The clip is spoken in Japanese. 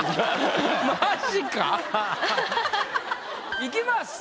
いきます。